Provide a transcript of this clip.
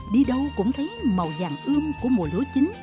đi đâu cũng thấy màu vàng ươm của mùa lúa chính